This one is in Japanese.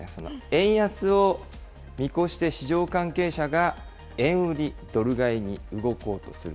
円安を見越して市場関係者が円売り、ドル買いに動こうとする。